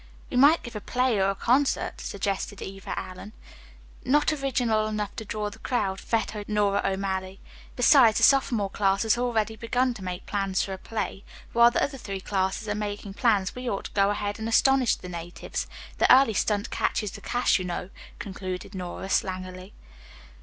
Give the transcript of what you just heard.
"We might give a play or a concert," suggested Eva Allen. "Not original enough to draw the crowd," vetoed Nora O'Malley. "Besides, the sophomore class has already begun to make plans for a play. While the other three classes are making plans we ought to go ahead and astonish the natives. The early stunt catches the cash, you know," concluded Nora slangily.